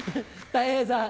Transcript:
たい平さん。